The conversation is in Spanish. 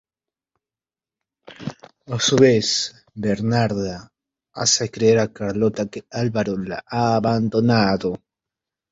A su vez, Bernarda hace creer a Carlota que Álvaro la ha abandonado.